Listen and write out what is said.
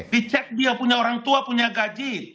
dicek dia punya orang tua punya gaji